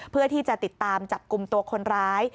เพื่อที่จะติดตามจับกลุ่มตัวคนร้าย